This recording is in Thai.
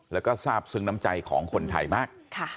แล้วก็ทราบซึ้งน้ำใจของคนไทยมาก